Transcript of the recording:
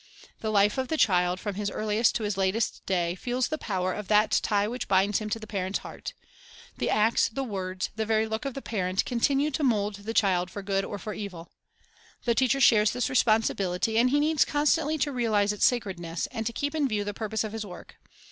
The life of the child, from his earliest to his latest day, feels the power of that tie which binds him to the parent's heart; the acts, the words, the very look of the parent, continue Preparation 28 i to mould the child fox good or for evil. The teacher shares this responsibility, and he needs constantly to realize its sacredness, and to keep in view the purpose of his work.